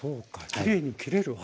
きれいに切れる技。